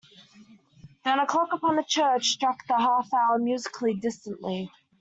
Then a clock upon a church struck the half-hour musically, distantly.